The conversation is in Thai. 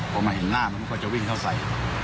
พอมาเห็นหน้ามันก็จะวิ่งเข้าใส่